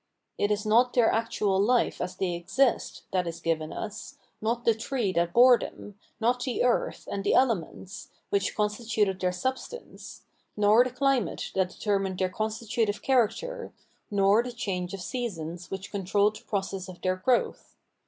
It is not their actual hfe as they exist, that is given us, not the tree that bore them, not the earth, and the elements, which constituted their substance, nor the climate that determined their constitutive character, nor the change of seasons which controlled the process of their growth.